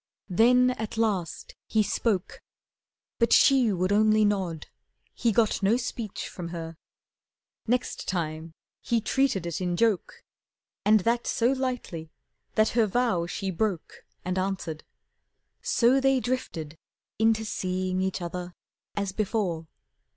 Then at last he spoke, But she would only nod, he got no speech From her. Next time he treated it in joke, And that so lightly that her vow she broke And answered. So they drifted into seeing Each other as before.